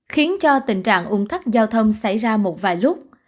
khiến cho tình trạng ung tắc giao thông xảy ra một vài lúc